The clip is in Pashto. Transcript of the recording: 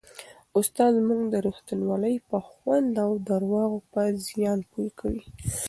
استاد موږ د رښتینولۍ په خوند او د درواغو په زیان پوه کوي.